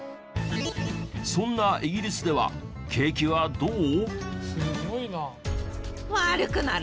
そんなイギリスでは景気はどう？